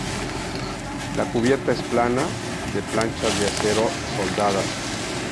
La cubierta es plana, de planchas de acero soldadas.